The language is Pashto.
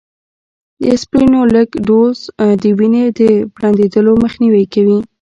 د اسپرينو لږ ډوز، د وینې د پرنډېدلو مخنیوی کوي